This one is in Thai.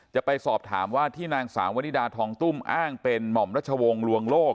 จะไปสอบถามว่าที่นางสาววนิดาทองตุ้มอ้างเป็นหม่อมรัชวงศ์ลวงโลก